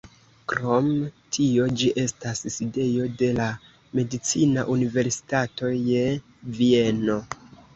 Krom tio ĝi estas sidejo de la medicina universitato je Vieno.